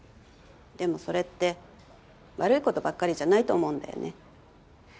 でもそれって悪い事ばっかりじゃないと思うんだよね。